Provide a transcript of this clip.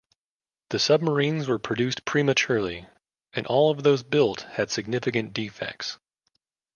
The submarines were produced prematurely, and all of those built had significant defects.